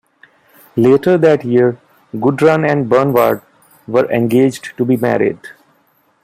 Later that year, Gudrun and Bernward were engaged to be married.